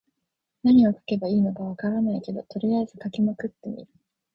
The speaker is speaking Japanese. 何を書けばいいのか分からないけど、とりあえず書きまくってみる。